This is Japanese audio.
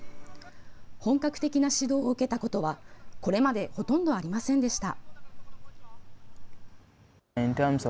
本格的な指導を受けたことはこれまでほとんどありませんでした。